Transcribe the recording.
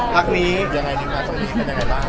ค่ะคักนี้ยังไงดีคะตอนนี้เป็นยังไงบ้าง